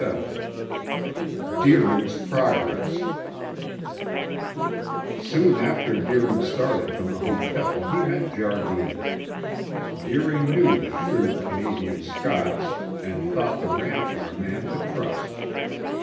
XXVII DEERING'S PROGRESS Soon after Deering started from the hotel he met Jardine. Deering knew the shrewd Canadian Scots and thought the rancher a man to trust.